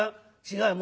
違う。